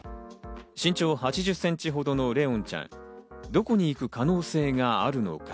身長８０センチほどの怜音ちゃん、どこに行く可能性があるのか。